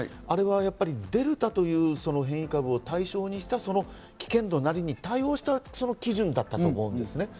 あれはデルタという変異株を対象にした危険度なりに対応した基準だったと思うんです。